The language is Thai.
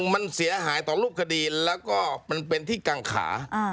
มันเสียหายต่อรูปคดีแล้วก็มันเป็นที่กังขา